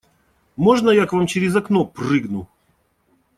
Можно, я к вам через окно прыгну?